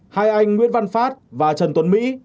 hai anh nguyễn văn phát và trần tuấn mỹ